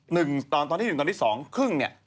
หนึ่งตอนตอนที่หนึ่งตอนที่สองครึ่งเนี่ย